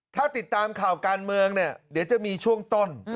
ถ้าติดตามข่าวการเมืองเนี่ยเดี๋ยวจะมีช่วงต้น